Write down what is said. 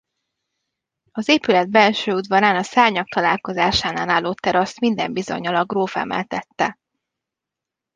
Az épület belső udvarán a szárnyak találkozásánál álló teraszt minden bizonnyal a gróf emeltette.